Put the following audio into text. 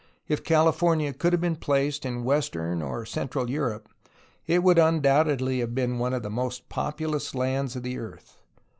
If California could have been placed in western or central Europe, it would undoubtedly have been one of the most populous lands of the earth.